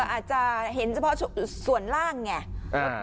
อาจจะเห็นเฉพาะส่วนล่างไง